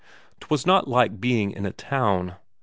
'Twas not like being in a town.